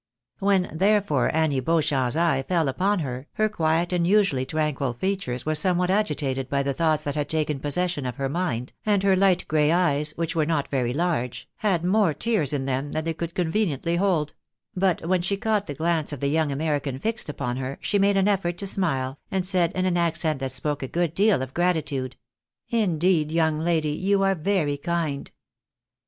When, therefore, Annie Beauchamp's eye fell upon her, her quiet and usually tranquil features were somewhat agitated by the thoughts that had taken possession of her mind, and her light gray eyes, which were not very large, had more tears in them than they could conveniently hold ; but when she caught the glance of the young American fixed upon her, she made an effort to smile, and said, in an accent that spoke a good deal of gra titude —" Indeed, young lady, you are very kind."